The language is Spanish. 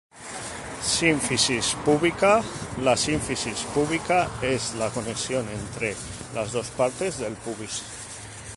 Sínfisis púbica: la sínfisis púbica es la conexión entre las dos partes del pubis.